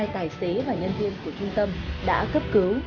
hai mươi hai tài xế và nhân viên của trung tâm đã cấp cứu